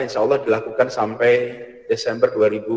insyaallah dilakukan sampai desember dua ribu dua puluh